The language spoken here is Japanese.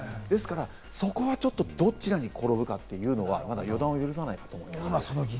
ですから、そこはちょっとどちらに転ぶかというのはまだ予断を許さないと思います。